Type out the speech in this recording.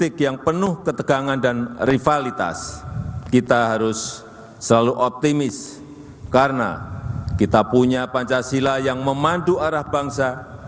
kualitas kita harus selalu optimis karena kita punya pancasila yang memandu arah bangsa